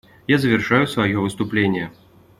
Я завершаю свое выступление.